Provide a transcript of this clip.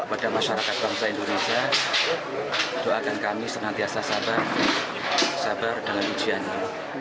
kepada masyarakat bangsa indonesia doakan kami senantiasa sabar sabar dalam ujiannya